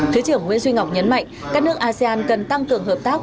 thứ trưởng nguyễn duy ngọc nhấn mạnh các nước asean cần tăng cường hợp tác